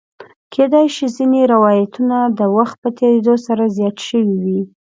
کېدای شي ځینې روایتونه د وخت په تېرېدو سره زیات شوي وي.